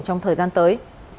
trong thời gian tới